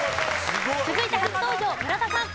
続いて初登場村田さん。